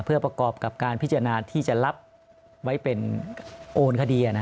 เพื่อประกอบกับการพิจารณาที่จะรับไว้เป็นโอนคดี